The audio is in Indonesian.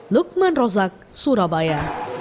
lukman rozak surabaya